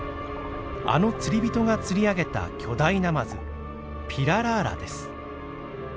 あの釣り人が釣り上げた巨大ナマズピララーラです。